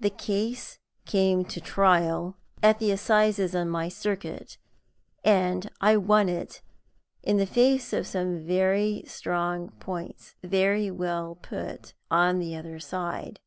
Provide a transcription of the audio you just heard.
The case came to trial at the Assizes on my circuit, and I won it in the face of some very strong points, very well put, on the other side.